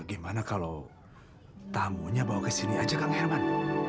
gimana kalau tamunya bawa ke sini aja kang herman